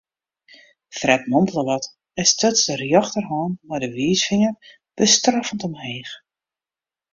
Fred mompele wat en stuts de rjochterhân mei de wiisfinger bestraffend omheech.